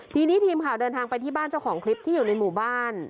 ทีนี้ทีมข่าวเดินทางไปที่บ้านเจ้าของคลิปที่อยู่ในหมู่บ้าน